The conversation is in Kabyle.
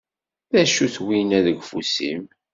D acu-t winna deg ufus-im?